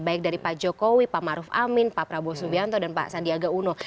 baik dari pak jokowi pak maruf amin pak prabowo subianto dan pak sandiaga uno